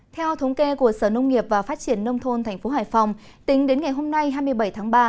theo thống kê của sở nông nghiệp và phát triển nông thôn tp hải phòng tính đến ngày hôm nay hai mươi bảy tháng ba